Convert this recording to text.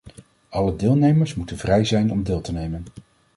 Alle deelnemers moeten vrij zijn om deel te nemen.